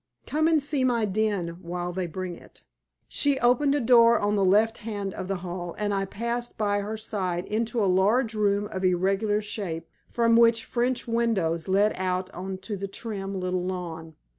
"Come and see my den while they bring it." She opened a door on the left hand of the hall, and I passed by her side into a large room of irregular shape, from which French windows led out on to the trim little lawn.